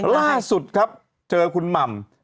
ล่าสุดครับเจอคุณหม่ำ